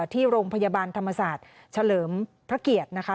ที่โรงพยาบาลธรรมศาสตร์เฉลิมพระเกียรตินะคะ